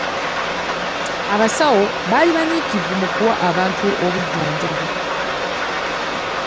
Abasawo bali banyiikivu mu kuwa bantu obujjanjabi.